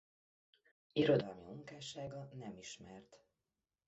Irodalmi munkássága nem ismert.